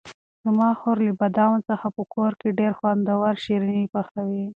زما خور له بادامو څخه په کور کې ډېر خوندور شیریني پخوي.